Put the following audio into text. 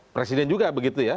presiden juga begitu ya